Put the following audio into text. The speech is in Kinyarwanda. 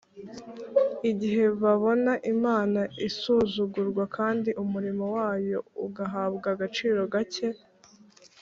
igihe babona imana isuzugurwa kandi umurimo wayo ugahabwa agaciro gake,